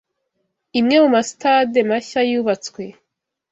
imwe mu ma sitade mashya yubatswe